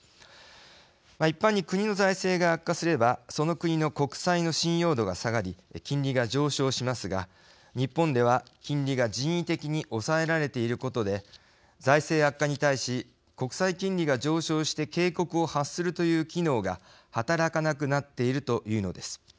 一般に国の財政が悪化すればその国の国債の信用度が下がり金利が上昇しますが日本では金利が人為的に抑えられていることで財政悪化に対し国債金利が上昇して警告を発するという機能が働かなくなっているというのです。